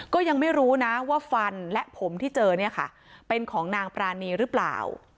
ก็ยังไม่รู้นะว่าฟันและผมที่เจอเนี่ยค่ะเป็นของนางปรานีหรือเปล่า